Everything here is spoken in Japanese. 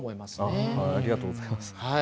ありがとうございます。